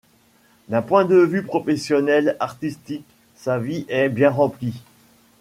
D'un point de vue professionnel, artistique, sa vie est bien remplie.